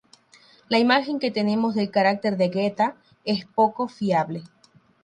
La imagen que tenemos del carácter de Geta es poco fiable.